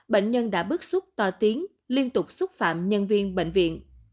bệnh nhân đã bức xúc to tiếng liên tục xúc phạm nhân viên bệnh viện